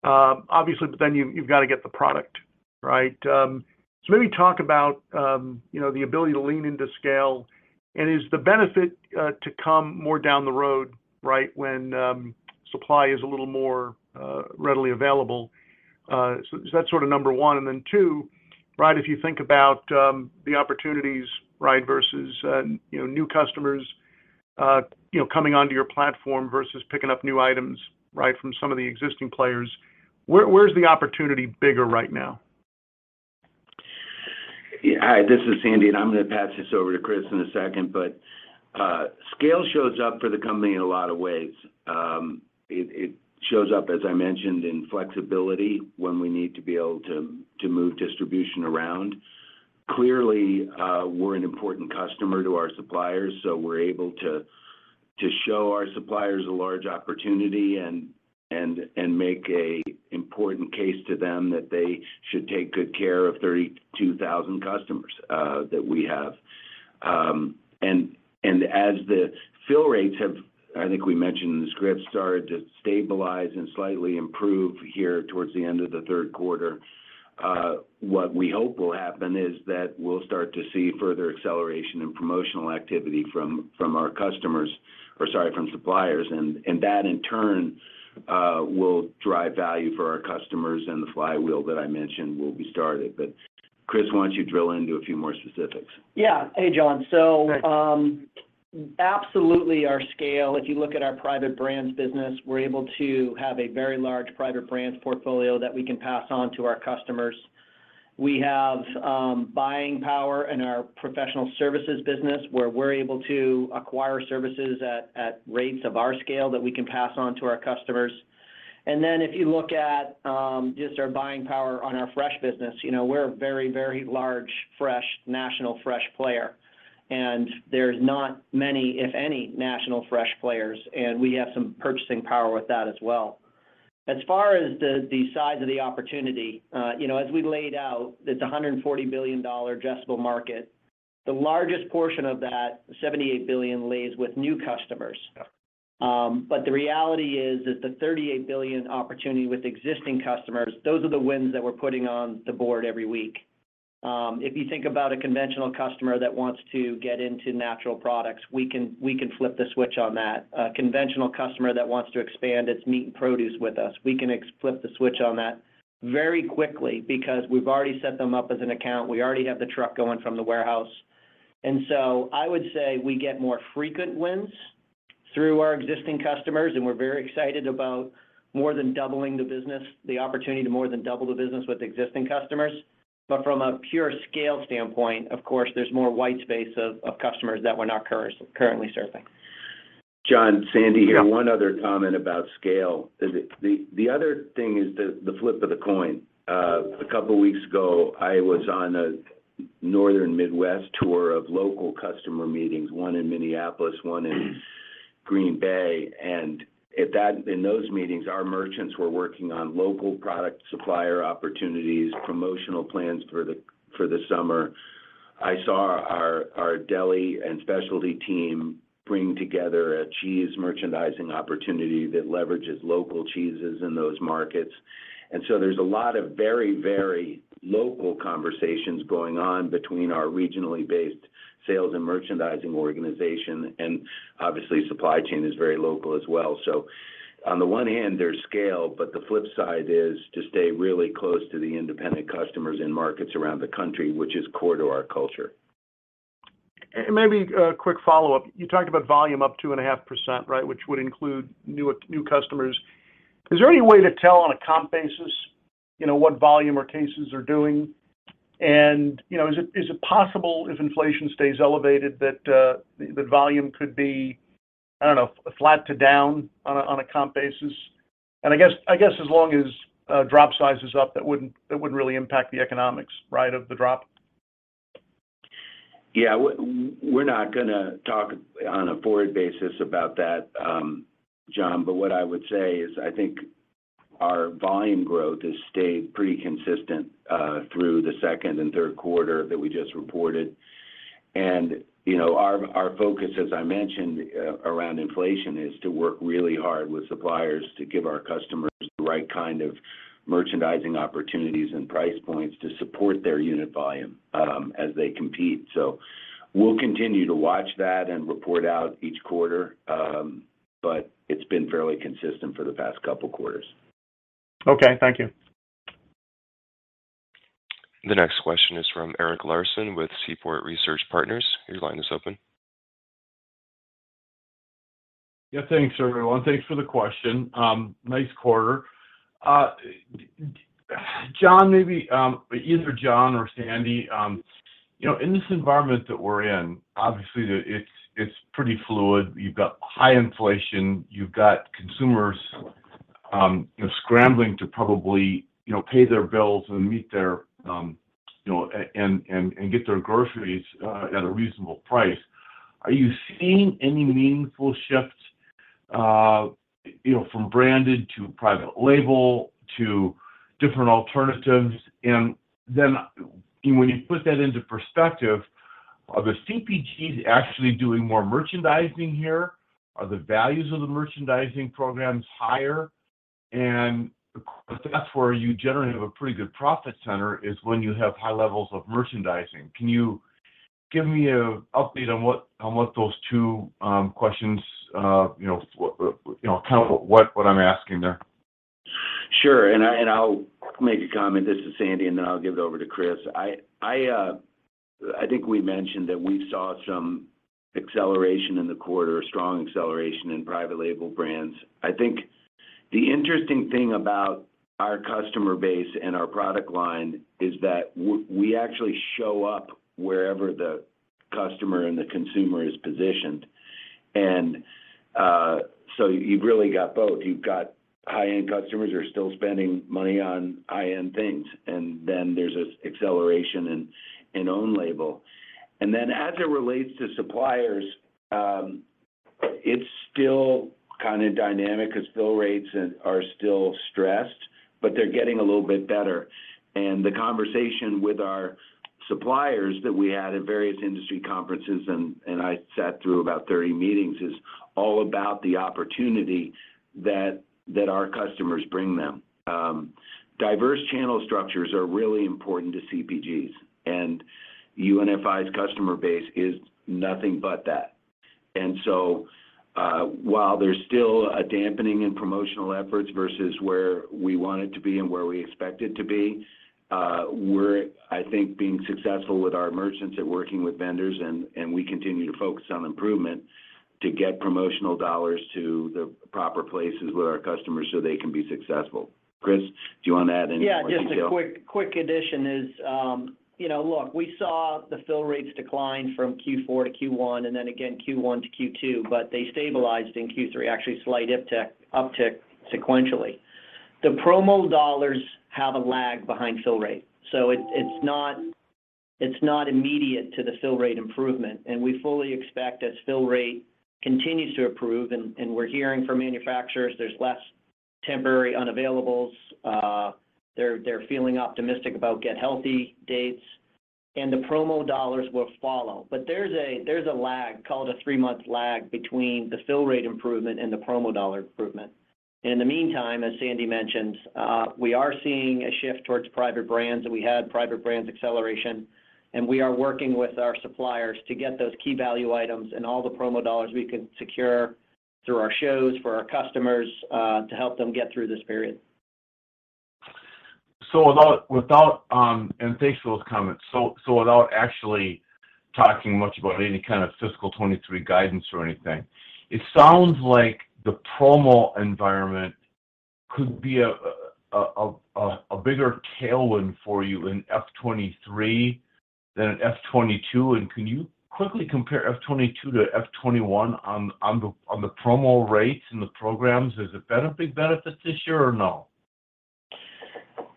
Obviously, but then you've got to get the product, right? Maybe talk about you know the ability to lean into scale, and is the benefit to come more down the road, right? When supply is a little more readily available. That's sort of number one. Two, right, if you think about the opportunities, right, versus you know new customers you know coming onto your platform versus picking up new items, right, from some of the existing players. Where's the opportunity bigger right now? Yeah. Hi, this is Sandy, and I'm going to pass this over to Chris in a second. Scale shows up for the company in a lot of ways. It shows up, as I mentioned, in flexibility when we need to be able to move distribution around. Clearly, we're an important customer to our suppliers, so we're able to show our suppliers a large opportunity and make an important case to them that they should take good care of 32,000 customers that we have. As the fill rates have, I think we mentioned in the script, started to stabilize and slightly improve here towards the end of the Q3, what we hope will happen is that we'll start to see further acceleration in promotional activity from our customers or sorry, from suppliers. That in turn will drive value for our customers and the flywheel that I mentioned will be started. Christopher, why don't you drill into a few more specifics? Yeah. Hey, John. Great Absolutely our scale. If you look at our private brands business, we're able to have a very large private brands portfolio that we can pass on to our customers. We have buying power in our professional services business where we're able to acquire services at rates of our scale that we can pass on to our customers. Then if you look at just our buying power on our fresh business, you know, we're a very large fresh national fresh player. There's not many, if any, national fresh players, and we have some purchasing power with that as well. As far as the size of the opportunity, you know, as we laid out, it's a $140 billion addressable market. The largest portion of that, $78 billion, lays with new customers. The reality is that the $38 billion opportunity with existing customers, those are the wins that we're putting on the board every week. If you think about a conventional customer that wants to get into natural products, we can flip the switch on that. A conventional customer that wants to expand its meat and produce with us, we can flip the switch on that very quickly because we've already set them up as an account. We already have the truck going from the warehouse. I would say we get more frequent wins through our existing customers, and we're very excited about more than doubling the business, the opportunity to more than double the business with existing customers. From a pure scale standpoint, of course, there's more white space of customers that we're not currently serving. John, Sandy here. One other comment about scale. The other thing is the flip of the coin. A couple weeks ago, I was on a northern Midwest tour of local customer meetings, one in Minneapolis, one in Green Bay. In those meetings, our merchants were working on local product supplier opportunities, promotional plans for the summer. I saw our deli and specialty team bring together a cheese merchandising opportunity that leverages local cheeses in those markets. There's a lot of very local conversations going on between our regionally based sales and merchandising organization, and obviously, supply chain is very local as well. On the one hand, there's scale, but the flip side is to stay really close to the independent customers in markets around the country, which is core to our culture. Maybe a quick follow-up. You talked about volume up 2.5%, right? Which would include new customers. Is there any way to tell on a comp basis, you know, what volume or cases are doing? You know, is it possible, if inflation stays elevated, that volume could be flat to down on a comp basis? I guess as long as drop size is up, that wouldn't really impact the economics, right, of the drop? Yeah. We're not gonna talk on a forward basis about that, John. What I would say is I think our volume growth has stayed pretty consistent through the second and Q3 that we just reported. You know, our focus, as I mentioned, around inflation, is to work really hard with suppliers to give our customers the right kind of merchandising opportunities and price points to support their unit volume, as they compete. We'll continue to watch that and report out each quarter, but it's been fairly consistent for the past couple quarters. Okay. Thank you. The next question is from Eric Larson with Seaport Research Partners. Your line is open. Yeah, thanks, everyone. Thanks for the question. Nice quarter. John, maybe either John or Sandy, you know, in this environment that we're in, obviously it's pretty fluid. You've got high inflation, you've got consumers, you know, scrambling to probably, you know, pay their bills and meet their, you know, and get their groceries at a reasonable price. Are you seeing any meaningful shifts, you know, from branded to private label to different alternatives? Then when you put that into perspective, are the CPGs actually doing more merchandising here? Are the values of the merchandising programs higher? That's where you generally have a pretty good profit center, is when you have high levels of merchandising. Can you give me an update on what those two questions, you know, kind of what I'm asking there? Sure. I'll make a comment, this is Sandy, and then I'll give it over to Chris. I think we mentioned that we saw some acceleration in the quarter, strong acceleration in private label brands. I think the interesting thing about our customer base and our product line is that we actually show up wherever the customer and the consumer is positioned. So you've really got both. You've got high-end customers are still spending money on high-end things, and then there's this acceleration in own label. Then as it relates to suppliers, it's still kind of dynamic as fill rates are still stressed, but they're getting a little bit better. The conversation with our suppliers that we had at various industry conferences, and I sat through about 30 meetings, is all about the opportunity that our customers bring them. Diverse channel structures are really important to CPGs, and UNFI's customer base is nothing but that. While there's still a dampening in promotional efforts versus where we want it to be and where we expect it to be, we're, I think, being successful with our merchants at working with vendors, and we continue to focus on improvement to get promotional dollars to the proper places with our customers so they can be successful. Chris, do you want to add any more detail? Yeah, just a quick addition is, you know, look, we saw the fill rates decline from Q4 to Q1 and then again Q1 to Q2, but they stabilized in Q3, actually slight uptick sequentially. The promo dollars have a lag behind fill rate, so it's not immediate to the fill rate improvement. We fully expect as fill rate continues to improve, and we're hearing from manufacturers there's less temporary unavailables, they're feeling optimistic about get healthy dates, and the promo dollars will follow. There's a lag, call it a three-month lag between the fill rate improvement and the promo dollar improvement. In the meantime, as Sandy mentioned, we are seeing a shift towards private brands, and we had private brands acceleration, and we are working with our suppliers to get those key value items and all the promo dollars we can secure through our shows for our customers, to help them get through this period. Thanks for those comments. Without actually talking much about any kind of fiscal 2023 guidance or anything, it sounds like the promo environment could be a bigger tailwind for you in FY 2023 than in FY 2022. Can you quickly compare FY 2022 to FY 2021 on the promo rates and the programs? Is it a big benefit this year or no?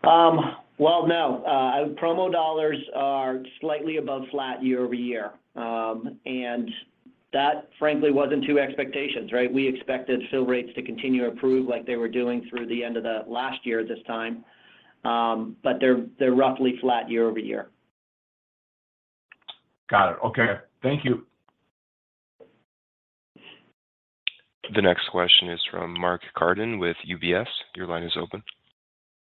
Well, no. Promo dollars are slightly above flat year-over-year. That frankly wasn't to expectations, right? We expected fill rates to continue to improve like they were doing through the end of the last year this time. They're roughly flat year-over-year. Got it. Okay. Thank you. The next question is from Mark Carden with UBS. Your line is open.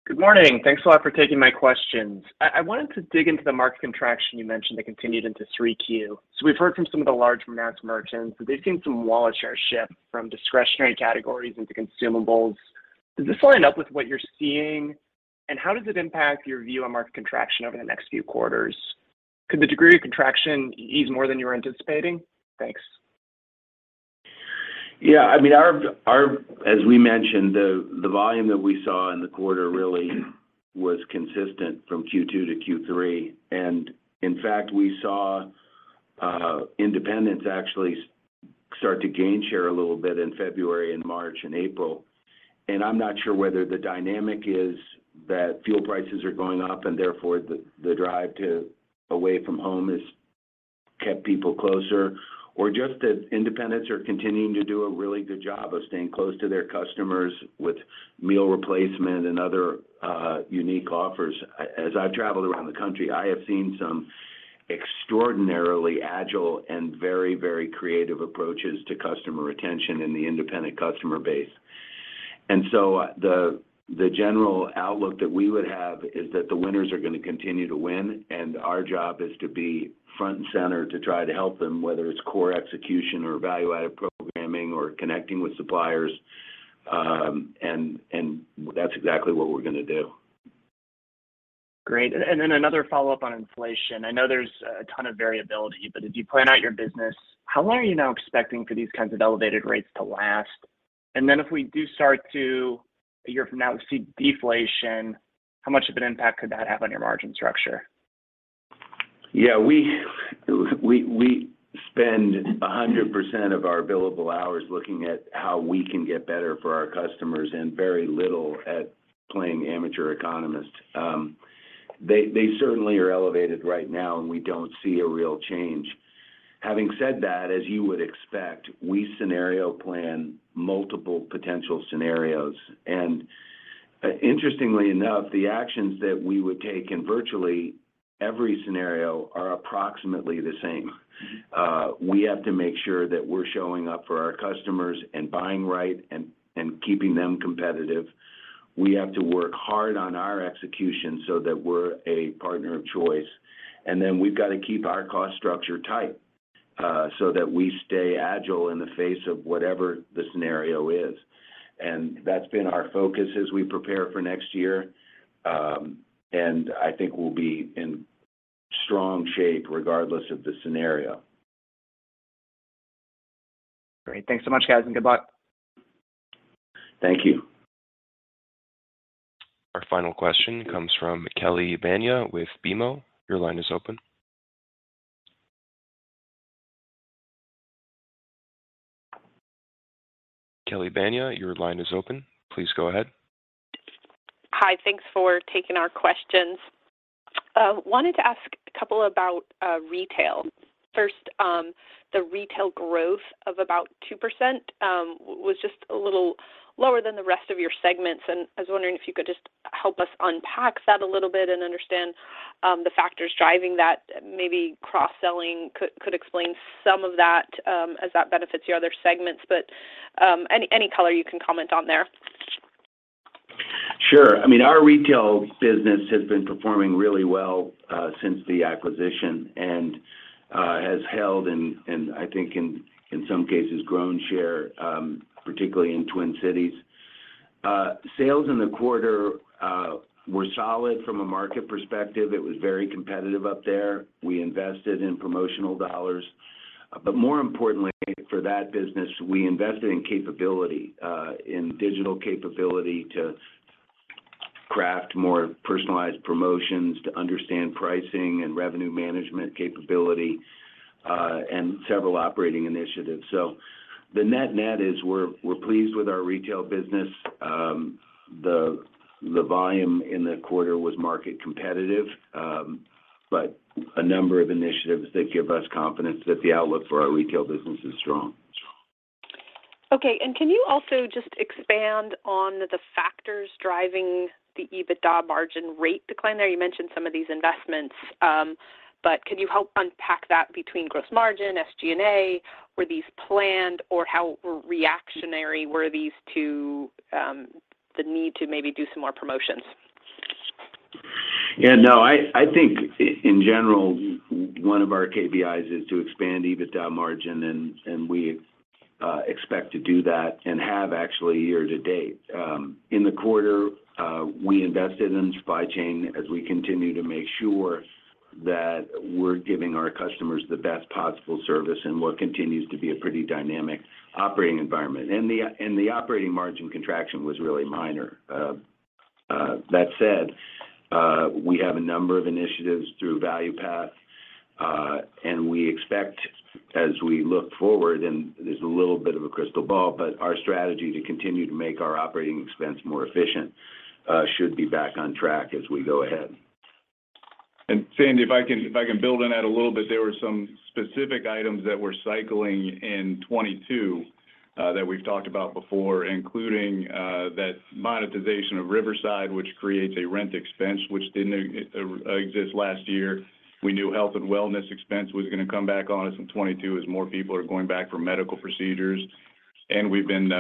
Good morning. Thanks a lot for taking my questions. I wanted to dig into the market contraction you mentioned that continued into 3Q. We've heard from some of the large mass merchants that they've seen some wallet share shift from discretionary categories into consumables. Does this line up with what you're seeing? How does it impact your view on market contraction over the next few quarters? Could the degree of contraction ease more than you were anticipating? Thanks. Yeah. I mean, as we mentioned, the volume that we saw in the quarter really was consistent from Q2 to Q3. In fact, we saw independents actually start to gain share a little bit in February and March and April. I'm not sure whether the dynamic is that fuel prices are going up and therefore the drive to eat away from home has kept people closer or just that independents are continuing to do a really good job of staying close to their customers with meal replacement and other unique offers. I've traveled around the country. I have seen some extraordinarily agile and very creative approaches to customer retention in the independent customer base. The general outlook that we would have is that the winners are gonna continue to win, and our job is to be front and center to try to help them, whether it's core execution or value-added programming or connecting with suppliers. That's exactly what we're gonna do. Great. Another follow-up on inflation. I know there's a ton of variability, but as you plan out your business, how long are you now expecting for these kinds of elevated rates to last? If we do start to a year from now see deflation, how much of an impact could that have on your margin structure? Yeah. We spend 100% of our billable hours looking at how we can get better for our customers and very little at playing amateur economist. They certainly are elevated right now, and we don't see a real change. Having said that, as you would expect, we scenario plan multiple potential scenarios. Interestingly enough, the actions that we would take in virtually every scenario are approximately the same. We have to make sure that we're showing up for our customers and buying right and keeping them competitive. We have to work hard on our execution so that we're a partner of choice. Then we've got to keep our cost structure tight, so that we stay agile in the face of whatever the scenario is. That's been our focus as we prepare for next year. I think we'll be in strong shape regardless of the scenario. Great. Thanks so much, guys, and good luck. Thank you. Our final question comes from Kelly Bania with BMO. Your line is open. Kelly Bania, your line is open. Please go ahead. Hi. Thanks for taking our questions. Wanted to ask a couple about retail. First, the retail growth of about 2% was just a little lower than the rest of your segments. I was wondering if you could just help us unpack that a little bit and understand the factors driving that. Maybe cross-selling could explain some of that as that benefits your other segments. Any color you can comment on there. Sure. I mean, our retail business has been performing really well since the acquisition and has held and I think in some cases grown share, particularly in Twin Cities. Sales in the quarter were solid from a market perspective. It was very competitive up there. We invested in promotional dollars. More importantly for that business, we invested in capability in digital capability to craft more personalized promotions, to understand pricing and revenue management capability and several operating initiatives. The net-net is we're pleased with our retail business. The volume in the quarter was market competitive, but a number of initiatives that give us confidence that the outlook for our retail business is strong. Okay. Can you also just expand on the factors driving the EBITDA margin rate decline there? You mentioned some of these investments, but can you help unpack that between gross margin, SG&A? Were these planned, or how reactionary were these to the need to maybe do some more promotions? Yeah, no. I think in general, one of our KPIs is to expand EBITDA margin, and we expect to do that and have actually year to date. In the quarter, we invested in supply chain as we continue to make sure that we're giving our customers the best possible service in what continues to be a pretty dynamic operating environment. The operating margin contraction was really minor. That said, we have a number of initiatives through Value Path, and we expect as we look forward, and there's a little bit of a crystal ball, but our strategy to continue to make our operating expense more efficient should be back on track as we go ahead. Sandy, if I can build on that a little bit. There were some specific items that we're cycling in 2022, that we've talked about before, including that monetization of Riverside, which creates a rent expense, which didn't exist last year. We knew health and wellness expense was gonna come back on us in 2022 as more people are going back for medical procedures. We've been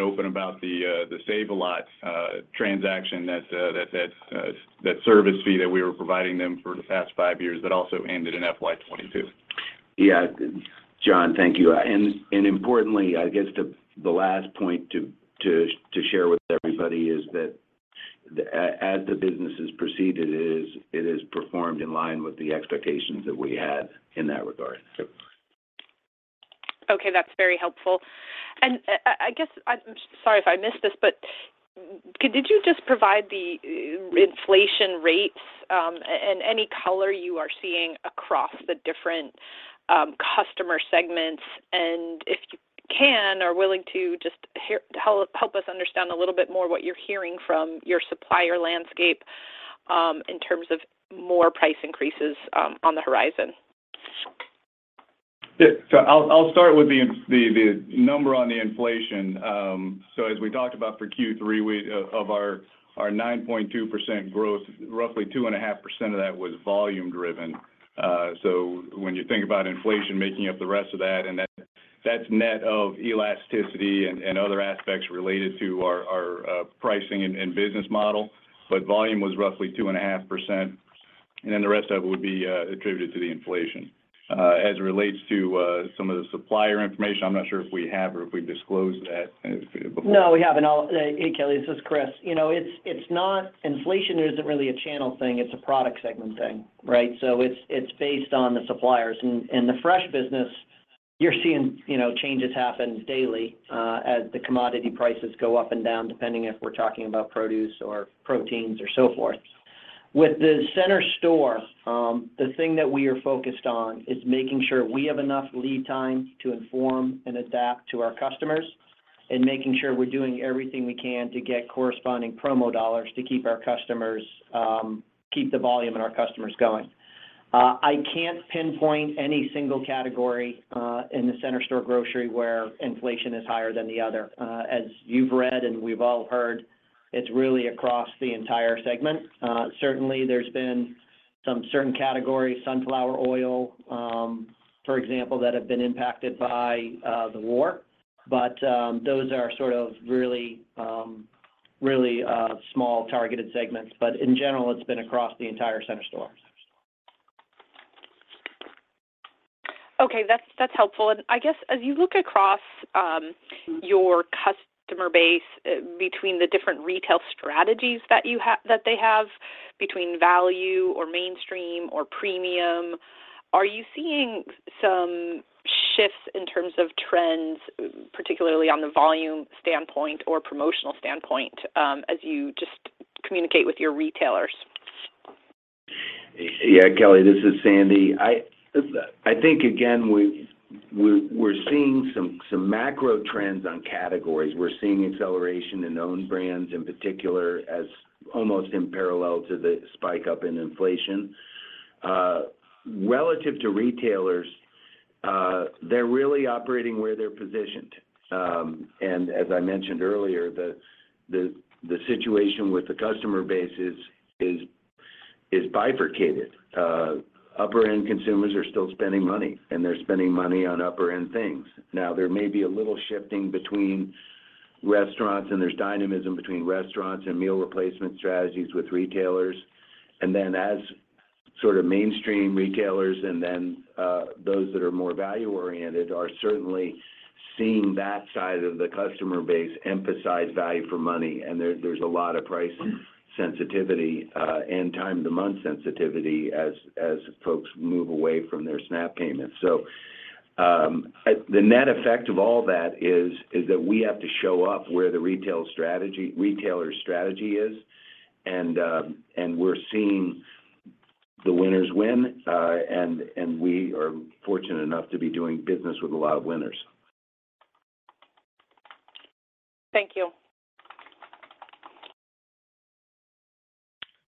open about the Save A Lot transaction that service fee that we were providing them for the past 5 years that also ended in FY 2022. Yeah. John, thank you. Importantly, I guess the last point to share with everybody is that as the business has proceeded, it has performed in line with the expectations that we had in that regard. Sure. Okay, that's very helpful. I guess, I'm sorry if I missed this, but did you just provide the inflation rates, and any color you are seeing across the different customer segments? If you can or are willing to, just help us understand a little bit more what you're hearing from your supplier landscape, in terms of more price increases on the horizon. Yeah. I'll start with the number on the inflation. As we talked about for Q3, of our 9.2% growth, roughly 2.5% of that was volume driven. When you think about inflation making up the rest of that, and that's net of elasticity and other aspects related to our pricing and business model. Volume was roughly 2.5%, and then the rest of it would be attributed to the inflation. As it relates to some of the supplier information, I'm not sure if we have or if we've disclosed that before. No, we haven't. Hey, Kelly, this is Chris. You know, it's not. Inflation isn't really a channel thing, it's a product segment thing, right? It's based on the suppliers. In the fresh business, you're seeing, you know, changes happen daily, as the commodity prices go up and down, depending if we're talking about produce or proteins or so forth. With the center store, the thing that we are focused on is making sure we have enough lead time to inform and adapt to our customers and making sure we're doing everything we can to get corresponding promo dollars to keep our customers, keep the volume and our customers going. I can't pinpoint any single category, in the center store grocery where inflation is higher than the other. As you've read and we've all heard, it's really across the entire segment. Certainly, there's been some certain categories, sunflower oil, for example, that have been impacted by the war. Those are sort of really small targeted segments. In general, it's been across the entire center store. Okay, that's helpful. I guess as you look across your customer base between the different retail strategies that they have between value or mainstream or premium, are you seeing some shifts in terms of trends, particularly on the volume standpoint or promotional standpoint, as you just communicate with your retailers? Yeah. Kelly, this is Sandy. I think again, we're seeing some macro trends on categories. We're seeing acceleration in own brands, in particular, as almost in parallel to the spike up in inflation. Relative to retailers, they're really operating where they're positioned. As I mentioned earlier, the situation with the customer base is bifurcated. Upper end consumers are still spending money, and they're spending money on upper end things. Now, there may be a little shifting between restaurants, and there's dynamism between restaurants and meal replacement strategies with retailers. As sort of mainstream retailers and then, those that are more value-oriented are certainly seeing that side of the customer base emphasize value for money. There's a lot of price sensitivity, and time-of-month sensitivity as folks move away from their SNAP payments. The net effect of all that is that we have to show up where the retailer strategy is. We're seeing the winners win, and we are fortunate enough to be doing business with a lot of winners. Thank you.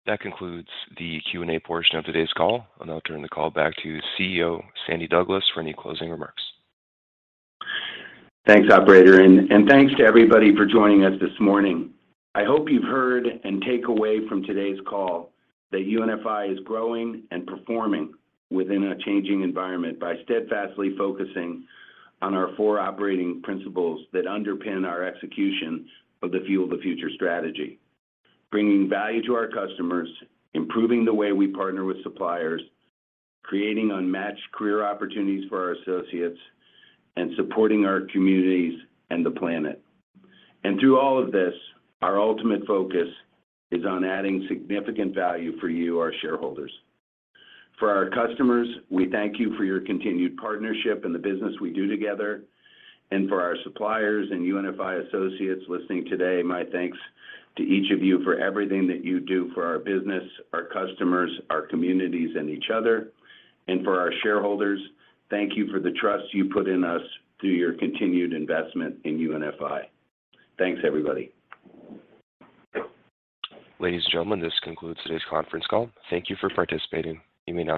That concludes the Q&A portion of today's call. I'll now turn the call back to CEO, Sandy Douglas, for any closing remarks. Thanks, operator. Thanks to everybody for joining us this morning. I hope you've heard and take away from today's call that UNFI is growing and performing within a changing environment by steadfastly focusing on our four operating principles that underpin our execution of the Fuel the Future strategy. Bringing value to our customers, improving the way we partner with suppliers, creating unmatched career opportunities for our associates, and supporting our communities and the planet. Through all of this, our ultimate focus is on adding significant value for you, our shareholders. For our customers, we thank you for your continued partnership and the business we do together. For our suppliers and UNFI associates listening today, my thanks to each of you for everything that you do for our business, our customers, our communities, and each other. For our shareholders, thank you for the trust you put in us through your continued investment in UNFI. Thanks, everybody. Ladies and gentlemen, this concludes today's conference call. Thank you for participating. You may now disconnect.